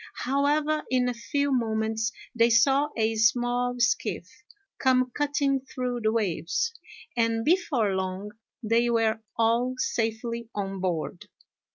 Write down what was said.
However, in a few moments they saw a small skiff come cutting through the waves, and before long they were all safely on board.